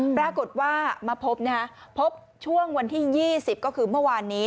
ปรากฏว่ามาพบนะฮะพบช่วงวันที่๒๐ก็คือเมื่อวานนี้